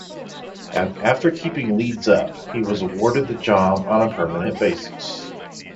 After keeping Leeds up, he was awarded the job on a permanent basis.